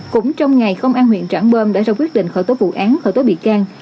cũng trong ngày công an huyện trảng bơm đã ra quyết định khởi tố vụ án khởi tố bị can